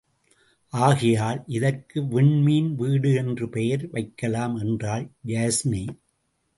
ஆகையால், இதற்கு விண்மீன் வீடு என்று பெயர் வைக்கலாம் என்றாள் யாஸ்மி.